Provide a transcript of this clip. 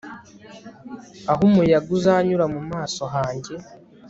aho umuyaga uzanyura mu maso hanjye